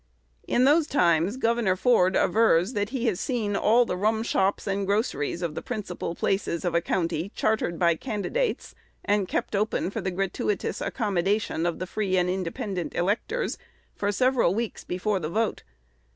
In those times, Gov. Ford avers that he has seen all the rum shops and groceries of the principal places of a county chartered by candidates, and kept open for the gratuitous accommodation of the free and independent electors for several weeks before the vote.